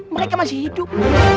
mereka masih hidup